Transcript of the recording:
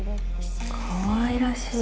かわいらしい。